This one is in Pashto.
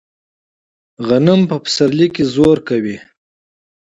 غنم په پسرلي کې وده کوي.